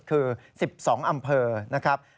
คือ๑๒อำเภอนะครับ